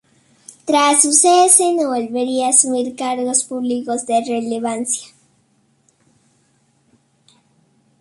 Tras su cese no volvería a asumir cargos públicos de relevancia.